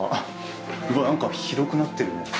うわ何か広くなってるね。